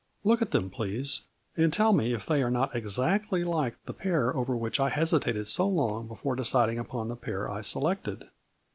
Look at them, please, and tell me if they are not exactly like the pair over which I hesitated so long before deciding upon the pair I selected."